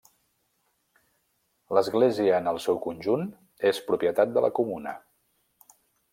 L'església en el seu conjunt és propietat de la comuna.